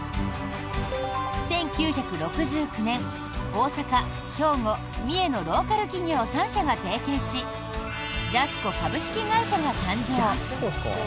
１９６９年大阪、兵庫、三重のローカル企業３社が提携しジャスコ株式会社が誕生。